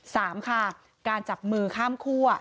สามค่ะการจับมือข้ามคั่ว